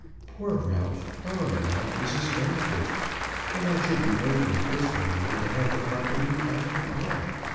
Poor Ralph, our Ralph, is a spendthrift, and I shouldn't wonder if this one were to have the property after all.